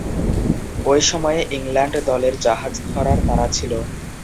ঐ সময়ে ইংল্যান্ড দলের জাহাজ ধরার তাড়া ছিল।